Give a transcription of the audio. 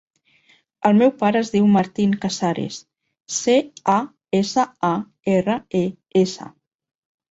El meu pare es diu Martín Casares: ce, a, essa, a, erra, e, essa.